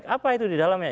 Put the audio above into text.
apa itu di dalamnya